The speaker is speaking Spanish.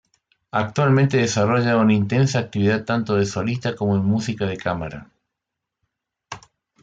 Actualmente desarrolla una intensa actividad tanto de solista como en música de cámara.